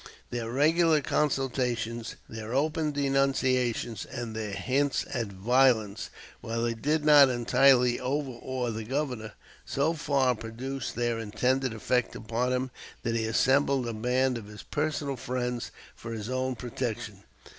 Their regular consultations, their open denunciations, and their hints at violence, while they did not entirely overawe the Governor, so far produced their intended effect upon him that he assembled a band of his personal friends for his own protection.